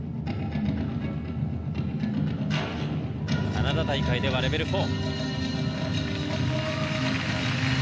カナダ大会ではレベル４。